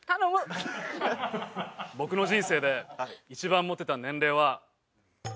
僕の人生で一番モテた年齢は。